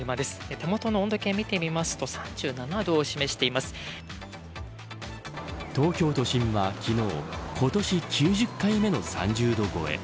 手元の温度計を見ると東京都心は昨日今年９０回目の３０度超え。